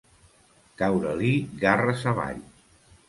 Caure-li garres avall.